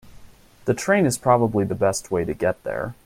The train is probably the best way to get there.